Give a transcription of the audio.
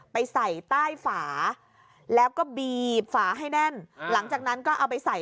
ไปใส่ใต้ฝาแล้วก็บีบฝาให้แน่นหลังจากนั้นก็เอาไปใส่